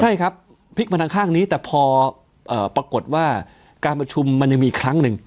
ใช่ครับพลิกมาทางข้างนี้แต่พอปรากฏว่าการประชุมมันยังมีอีกครั้งหนึ่ง